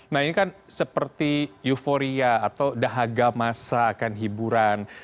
nah ini kan seperti euforia atau dahaga masa akan hiburan